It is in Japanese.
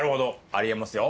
ありえますよ。